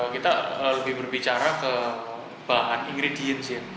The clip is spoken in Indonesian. kita lebih berbicara ke bahan ingredients ya